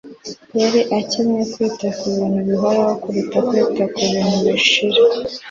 Yari akencye kwita ku bintu bihoraho kuruta kwita ku bintu bishira.